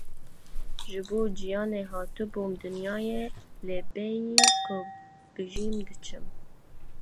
Ji bo jiyanê hatibûm dinyayê lê bêyî ku bijîm diçim.